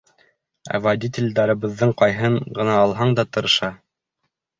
Ә водителдәребеҙҙең ҡайһыһын ғына алһаң да тырыша.